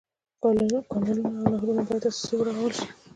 کانلونه او نهرونه باید اساسي ورغول شي.